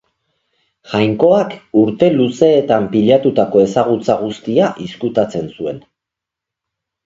Jainkoak urte luzeetan pilatutako ezagutza guztia izkutatzen zuen.